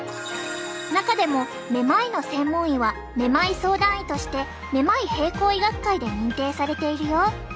中でもめまいの専門医はめまい相談医としてめまい平衡医学会で認定されているよ。